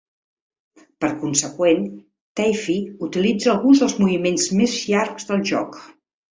Per conseqüent, Taffy utilitza alguns dels moviments més llargs del joc.